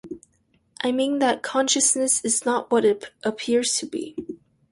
I mean that consciousness is not what it appears to be.